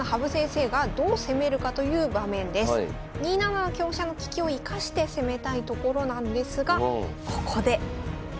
２七の香車の利きを生かして攻めたいところなんですがここで。